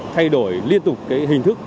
thay đổi liên tục cái hình thức